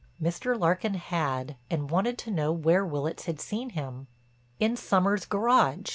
Mr. Larkin had and wanted to know where Willitts had seen him. "In Sommers' garage.